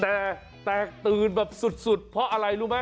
แต่แตกตื่นแบบสุดเพราะอะไรรู้ไหม